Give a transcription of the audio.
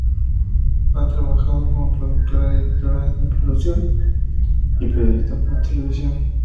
Ha trabajado como productora, directora de producción y periodista para televisión.